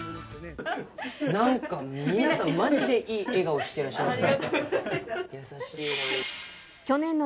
なんか皆さん、まじでいい笑顔してらっしゃいますね。